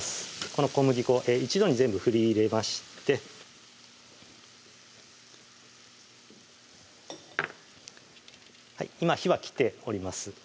この小麦粉一度に全部振り入れまして今火は切っております